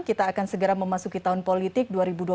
kita akan segera memasuki tahun politik